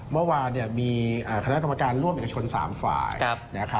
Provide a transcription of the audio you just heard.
เมื่อวานมีคณะกรรมการร่วมเอกชน๓ฝ่าย